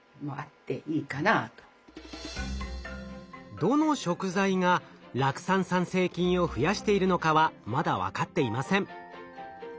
どの食材が酪酸産生菌を増やしているのかはまだ分かっていません。